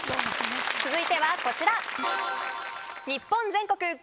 続いてはこちら。